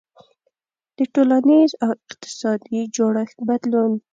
• د ټولنیز او اقتصادي جوړښت بدلون.